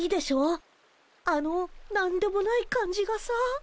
あの何でもない感じがさ。